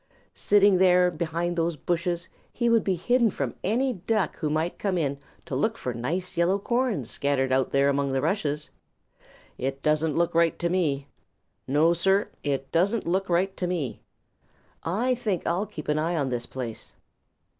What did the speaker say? Sitting there behind those bushes, he would be hidden from any Duck who might come in to look for nice yellow corn scattered out there among the rushes. It doesn't look right to me. No, Sir, it doesn't look right to me. I think I'll keep an eye on this place."